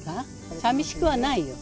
さみしくはないよ。